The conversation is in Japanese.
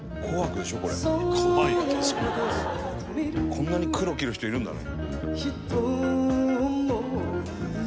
「こんなに黒着る人いるんだね」